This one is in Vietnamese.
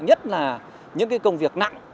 nhất là những công việc nặng